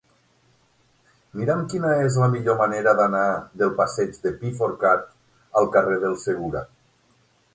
Mira'm quina és la millor manera d'anar del passeig del Pi Forcat al carrer del Segura.